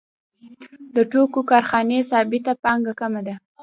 د ټوکر کارخانې ثابته پانګه کمه ده